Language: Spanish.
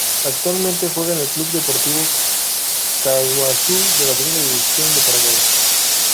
Actualmente juega en el Club Deportivo Caaguazú de la Segunda División de Paraguay.